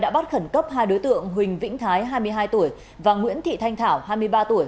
đã bắt khẩn cấp hai đối tượng huỳnh vĩnh thái hai mươi hai tuổi và nguyễn thị thanh thảo hai mươi ba tuổi